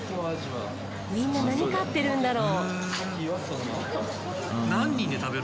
みんな何買ってるんだろう。